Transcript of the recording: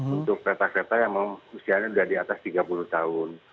untuk kereta kereta yang usianya sudah di atas tiga puluh tahun